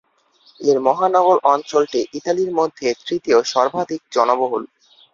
এর মহানগর অঞ্চলটি ইতালির মধ্যে তৃতীয় সর্বাধিক জনবহুল।